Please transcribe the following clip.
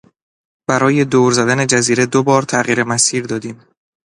برای دور زدن جزیره دو بار تغییر مسیر دادیم.